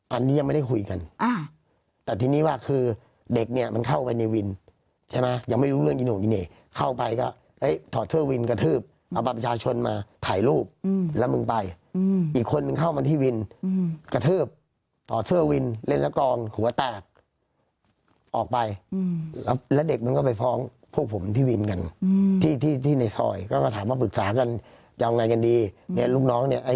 อันนี้ยังไม่ได้คุยกันแต่ทีนี้ว่าคือเด็กเนี่ยมันเข้าไปในวินใช่มั้ยยังไม่รู้เรื่องกินห่วงกินเน่เข้าไปก็เฮ้ยถอดเสื้อวินกระทืบเอาประประชาชนมาถ่ายรูปแล้วมึงไปอีกคนมึงเข้ามาที่วินกระทืบถอดเสื้อวินเล่นละกองหัวตากออกไปแล้วเด็กมึงก็ไปฟ้องพวกผมที่วินกันที่ในซอยก็ถามว่าปรึกษากันจะ